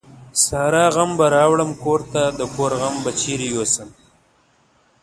د سارا غم به راوړم کورته ، دکور غم به چيري يو سم ؟.